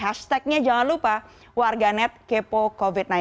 hashtagnya jangan lupa warganet kepo covid sembilan belas